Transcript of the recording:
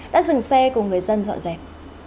đã dừng xe cùng người dân dọn dẹp